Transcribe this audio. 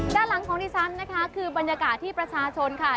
ด้านหลังของดิฉันนะคะคือบรรยากาศที่ประชาชนค่ะ